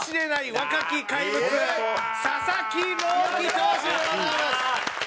佐々木朗希投手でございます！